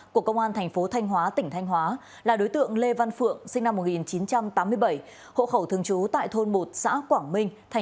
của công an tp thanh hóa tỉnh thanh hóa là đối tượng lê văn phượng sinh năm một nghìn chín trăm tám mươi bảy hộ khẩu thương chú tại thôn một xã quảng minh